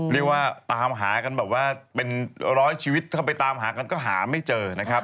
เรียกว่าตามหากันแบบว่าเป็นร้อยชีวิตเข้าไปตามหากันก็หาไม่เจอนะครับ